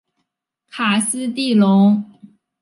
卡斯蒂隆。